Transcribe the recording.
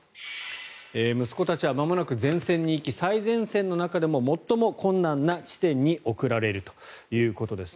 息子たちはまもなく前線に行き最前線の中でも最も困難な地点に送られるということです。